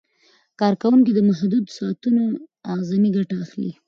کارکوونکي د محدودو ساعتونو اعظمي ګټه اخلي.